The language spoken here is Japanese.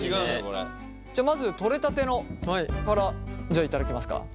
じゃまずとれたてのから頂きますか。